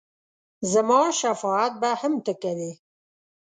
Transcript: زما شفاعت به هم ته کوې !